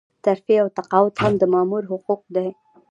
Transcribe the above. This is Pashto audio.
ترفيع او تقاعد هم د مامور حقوق دي.